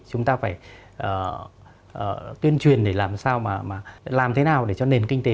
chúng ta phải tuyên truyền để làm thế nào để cho nền kinh tế